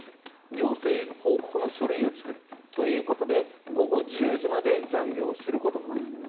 行政への報告の書類を作るということで午後１０時まで残業することもある。